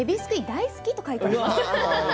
大好きと書いています。